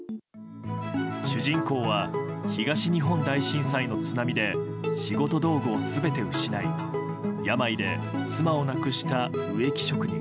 主人公は東日本大震災の津波で仕事道具を全て失い病で妻を亡くした植木職人。